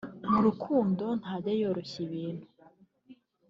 mu rukundo ntajya yoroshya ibintu